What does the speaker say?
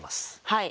はい。